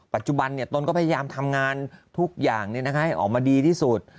ปัจจุบันตนก็พยายามทำงานทุกอย่างให้ออกมาดีที่สุด